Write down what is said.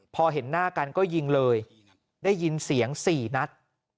พอเห็นหน้ากันก็ยิงเลยได้ยินเสียง๔นัด